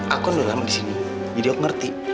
aku udah lama di sini jadi aku ngerti